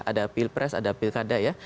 ada pilpres ada pilkada ya